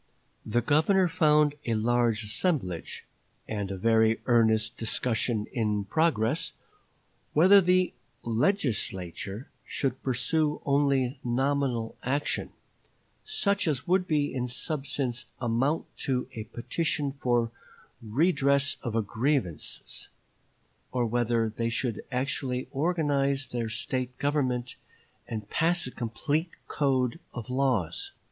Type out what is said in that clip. The Governor found a large assemblage, and a very earnest discussion in progress, whether the "Legislature" should pursue only nominal action, such as would in substance amount to a petition for redress of grievances, or whether they should actually organize their State government, and pass a complete code of laws.